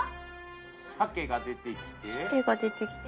鮭が出てきて。